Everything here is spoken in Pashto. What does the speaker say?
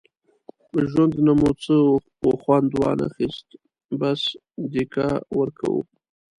له ژوند نه مو څه وخوند وانخیست، بس دیکه ورکوو.